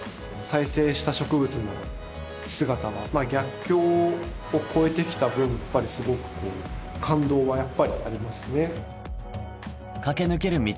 再生した植物の姿は逆境をこえてきた分やっぱりすごく感動はありますね